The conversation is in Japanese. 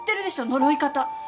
呪い方。